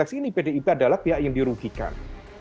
dan konteks ini pdip adalah pihak yang dirugikan